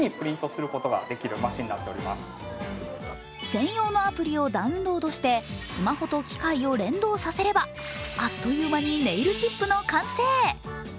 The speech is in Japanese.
専用のアプリをダウンロードしてスマホと機械を連動させればあっという間にネイルチップの完成。